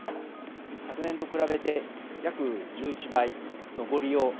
昨年と比べて、約１１倍のご利用。